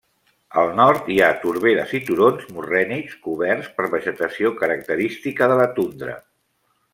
Al nord hi ha torberes i turons morrènics coberts per vegetació característica de la tundra.